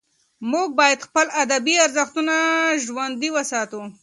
موږ باید خپل ادبي ارزښتونه ژوندي وساتو.